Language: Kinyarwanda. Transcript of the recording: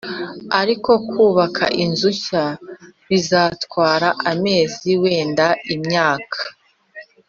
ariko kubaka inzu nshya bizatwara amezi, wenda imyaka